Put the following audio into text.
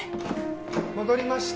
戻りました。